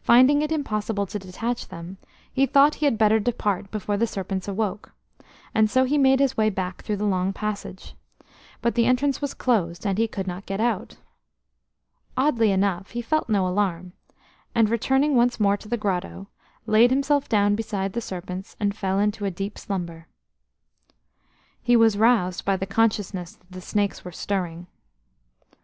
Finding it impossible to detach them, he thought he had better depart before the serpents awoke, and so he made his way back through the long passage; but the entrance was closed, and he could not get out. Oddly enough, he felt no alarm, and, returning once more to the grotto, laid himself down beside the serpents and fell into a deep slumber. He was roused by the consciousness that the snakes were stirring.